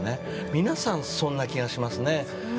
皆さん、そんな気がします。